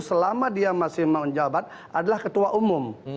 selama dia masih menjabat adalah ketua umum